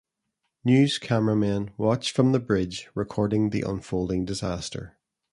News cameramen watched from the bridge, recording the unfolding disaster.